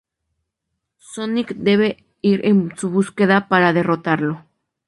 Sonic debe ir en su búsqueda para derrotarlo.